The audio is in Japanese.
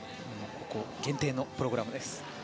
ここ限定のプログラムです。